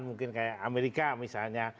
mungkin kayak amerika misalnya